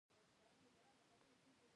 کلکوالی بد دی.